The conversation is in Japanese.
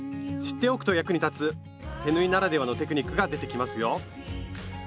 知っておくと役に立つ手縫いならではのテクニックが出てきますよ！